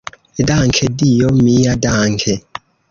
Danke, Dio mia, danke!